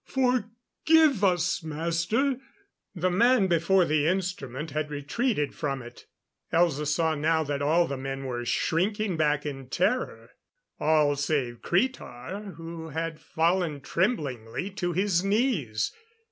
Forgive us, Master." The man before the instrument had retreated from it. Elza saw now that all the men were shrinking back in terror. All save Cretar, who had fallen tremblingly to his knees.